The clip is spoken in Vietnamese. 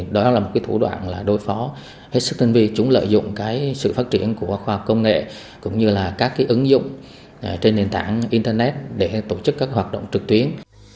đó là một thủ đoạn đối phó hết sức tinh vi chúng lợi dụng sự phát triển của khoa học công nghệ cũng như là các ứng dụng trên nền tảng internet để tổ chức các hoạt động trực tuyến